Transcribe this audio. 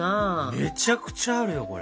めちゃくちゃあるよこれ。